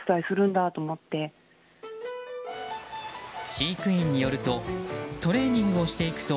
飼育員によるとトレーニングをしていくと